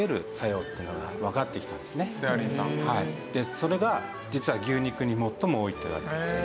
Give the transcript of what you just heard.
それが実は牛肉に最も多いといわれています。